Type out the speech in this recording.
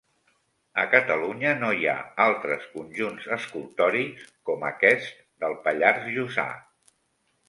A Catalunya no hi ha altres conjunts escultòrics com aquest del Pallars Jussà.